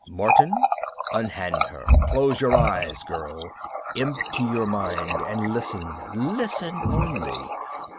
Martin, unhand her. Close your eyes, girl, empty your mind, and listen, listen only.